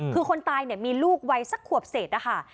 คือคนตายเนี่ยมีลูกวัยสักขวบเศษนะคะ